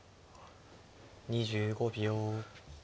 ２５秒。